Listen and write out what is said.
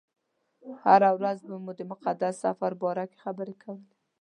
هره ورځ به مو د مقدس سفر باره کې خبرې کولې.